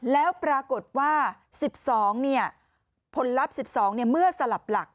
แล้วปรากฏว่า๑๒เนี่ยผลลัพธ์๑๒เนี่ยเมื่อสลับหลัก